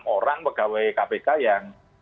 orang pegawai kpk yang